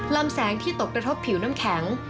ลำแสงที่ตกกระทบผิวน้ำแข็ง